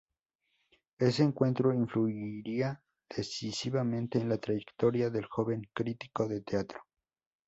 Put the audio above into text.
Ese encuentro influiría decisivamente en la trayectoria del joven crítico de teatro.